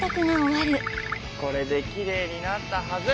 これできれいになったはず。